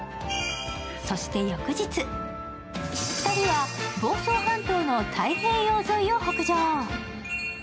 そして翌日、２人は房総半島の太平洋沿いを北上。